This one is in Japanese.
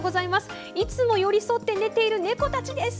いつも寄り添って寝ている猫たちです。